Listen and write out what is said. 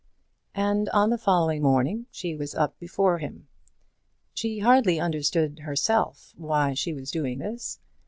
And on the following morning she was up before him. She hardly understood, herself, why she was doing this.